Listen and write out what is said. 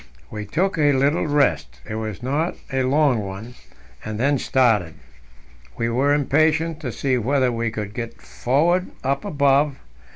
We took a little rest it was not a long one and then started. We were impatient to see whether we could get forward up above.